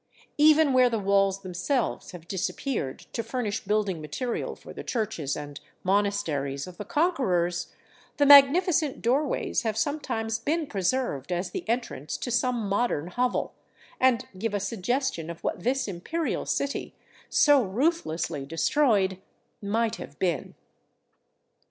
Even where the walls themselves have disappeared to furnish build ing material for the churches and monasteries of the conquerors, the magnificent doorways have sometimes been preserved as the entrance to some modern hovel, and give a suggestion of what this imperial city, so ruthlessly destroyed, might have been.